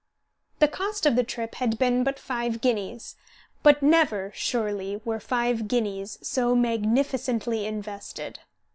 The cost of the trip had been but five guineas; but never, surely, were five guineas so magnificently invested.